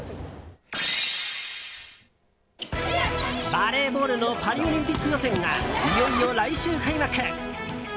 バレーボールのパリオリンピック予選がいよいよ来週開幕！